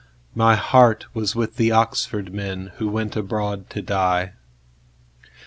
My heart was with the Oxford menWho went abroad to die.